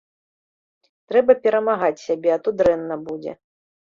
Трэба перамагаць сябе, а то дрэнна будзе.